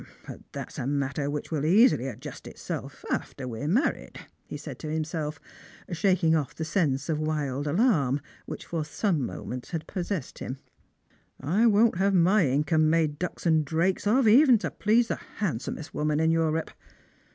" But that's a matter which will easily adjust itself after we are married," he said to himself, shaking ofi" the sense of wild fjarra which for the moment had possessed him. " I won't have my income made ducks and drakes of even to please the handsomest woman in Europe.